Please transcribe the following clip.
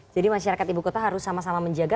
jadi masyarakat ibu kota harus sama sama menjaga